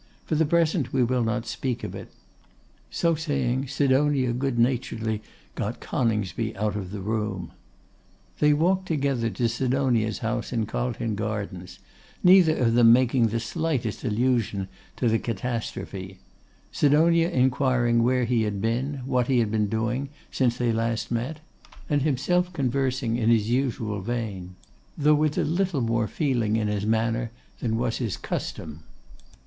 For the present we will not speak of it.' So saying, Sidonia good naturedly got Coningsby out of the room. They walked together to Sidonia's house in Carlton Gardens, neither of them making the slightest allusion to the catastrophe; Sidonia inquiring where he had been, what he had been doing, since they last met, and himself conversing in his usual vein, though with a little more feeling in his manner than was his custom.